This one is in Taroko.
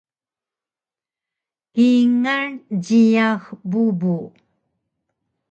Kingal jiyax bubu